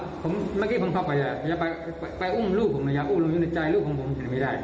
ลูกผมอ่ะผมเมื่อกี้ผมพบไปอย่าไปไปอุ้มลูกผมอย่าอุ้มลงในใจลูกผมผมจะไม่ได้